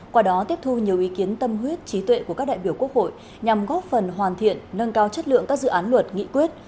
qua đó tiếp thu nhiều ý kiến tâm huyết trí tuệ của các đại biểu quốc hội nhằm góp phần hoàn thiện nâng cao chất lượng các dự án luật nghị quyết